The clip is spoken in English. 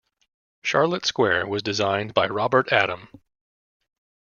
Charlotte Square was designed by Robert Adam.